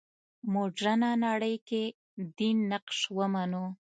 مډرنه نړۍ کې دین نقش ومنو.